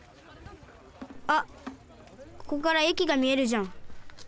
あっここからえきがみえるじゃん。